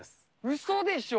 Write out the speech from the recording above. うそでしょ？